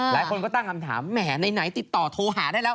หลายคนก็ตั้งคำถามแหมไหนติดต่อโทรหาได้แล้ว